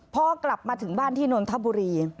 พอกลับมาถึงบ้านที่นนทบุรี